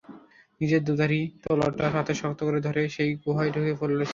নিজের দুধারি তলোয়ারটা হাতে শক্ত করে ধরে সেই গুহায় ঢুকে পড়ল সে।